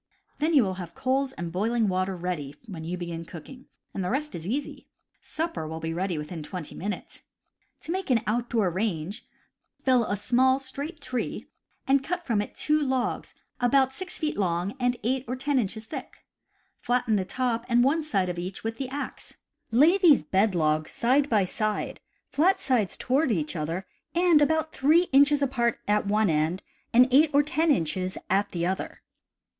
P Then you will have coals and boiling water ready when you begin cooking, and the rest is easy — supper will be ready within twenty minutes. To make an outdoor range: fell a small, straight tree, and cut from it two logs, about 6 feet long and 8 or 10 inches thick. Flatten the top and one side of each with the axe. Lay these bed logs side by side, flat sides toward each other, and about 3 inches apart at one end and 8 or 10 inches at the other.